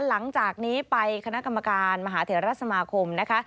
หลังจากนี้ไปคณะกรรมการมหาเถระสมาคมนะคะ